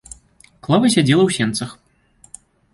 Клава сядзела ў сенцах.